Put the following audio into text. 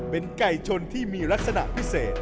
เป็นไก่ชนที่มีลักษณะพิเศษ